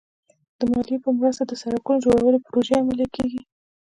د مالیې په مرسته د سړکونو جوړولو پروژې عملي کېږي.